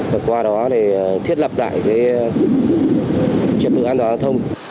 và qua đó thiết lập lại trật tự an toàn giao thông